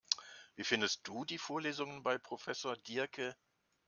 Wie findest du die Vorlesungen bei Professor Diercke?